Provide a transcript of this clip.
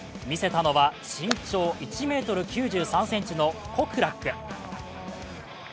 見せたのは身長１ｍ９３ｃｍのコクラック。